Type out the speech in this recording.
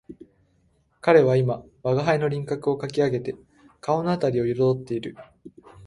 彼は今吾輩の輪廓をかき上げて顔のあたりを色彩っている